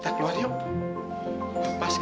ntar ya pampas